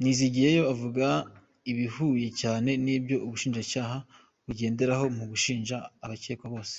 Nizigiyeyo avuga ibihuye cyane n’ibyo Ubushinjacyaha bugenderaho mu gushinja abakekwa bose.